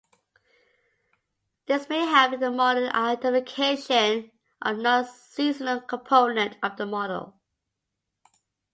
This may help in the model identification of the non-seasonal component of the model.